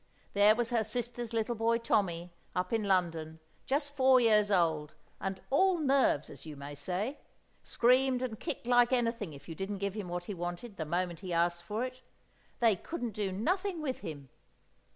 There was her sister's little boy Tommy, up in London, just four years old, and all nerves, as you may say; screamed and kicked like anything if you didn't give him what he wanted the moment he asked for it. They couldn't do nothing with him.